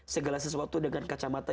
segala sesuatu dengan kacamata